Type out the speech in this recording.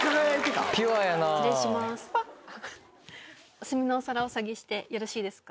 お済みのお皿お下げしてよろしいですか？